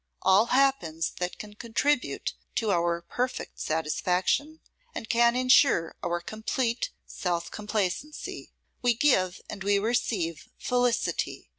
All happens that can contribute to our perfect satisfaction, and can ensure our complete self complacency. We give and we receive felicity.